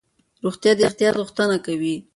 روغتیا د احتیاط غوښتنه کوي.